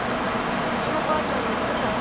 ウチの母ちゃんが言ってた。